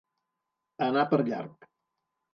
Anar per llarg.